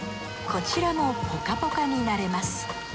こちらもポカポカになれます。